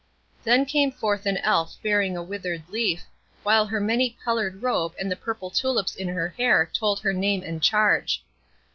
Then came forth an Elf bearing a withered leaf, while her many colored robe and the purple tulips in her hair told her name and charge.